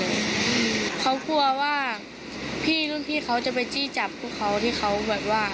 เขากลัวว่าพี่รุ่นพี่เขาจะไปจี้จับพวกเขาที่เขาแบบว่า